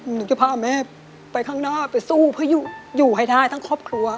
หนูจะพาแม่ไปข้างหน้าไปสู้เพื่ออยู่ให้ได้ทั้งครอบครัว